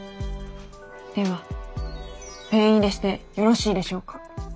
ではペン入れしてよろしいでしょうか？